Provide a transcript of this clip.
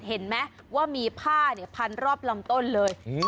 เห็นไหมว่ามีผ้าพันรอบลำต้นเลย